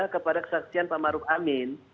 kepada kesaksian pak maruf amin